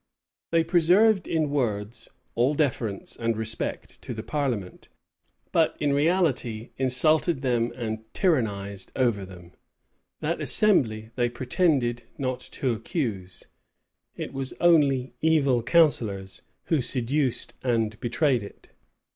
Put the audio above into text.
[] They preserved, in words, all deference and respect to the parliament; but, in reality, insulted them and tyrannized over them. That assembly they pretended not to accuse: it was only evil counsellors, who seduced and betrayed it.